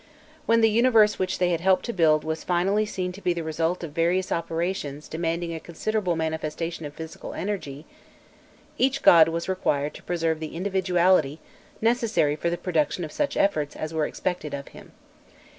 When the universe which they had helped to build up was finally seen to be the result of various operations demanding a considerable manifestation of physical energy, each god was required to preserve the individuality necessary for the production of such effects as were expected of him.